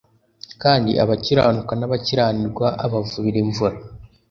kandi abakiranuka n'abakiranirwa abavubira imvura.»